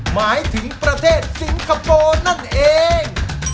หมายถึงประเทศสิงคโปร์นั่นเอง